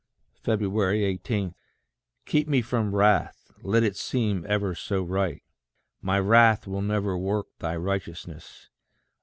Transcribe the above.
18. Keep me from wrath, let it seem ever so right: My wrath will never work thy righteousness.